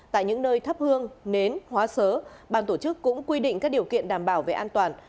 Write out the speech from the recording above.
tại những nơi thắp hương nến hóa sớ ban tổ chức cũng quy định các điều kiện đảm bảo về an toàn